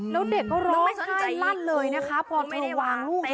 แล้วเด็กก็ร้องไห้รั่นเลยนะครับพอเธอวางลูกลงไป